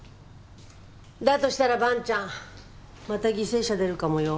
だとしたら萬ちゃんまた犠牲者出るかもよ。